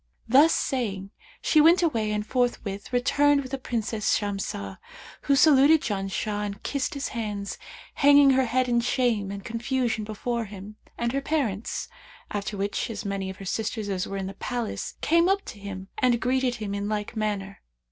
Thus saying, she went away and forthwith returned with the Princess Shamsah, who saluted Janshah and kissed his hands, hanging her head in shame and confusion before him and her parents, after which as many of her sisters as were in the palace came up to him and greeted him in like manner.